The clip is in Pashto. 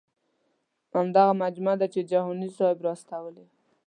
همدغه مجموعه ده چې جهاني صاحب را استولې وه.